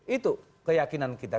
itu keyakinan kita